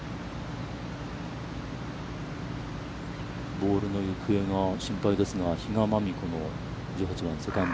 ボールの行方が心配ですが、比嘉真美子の１８番、セカンド。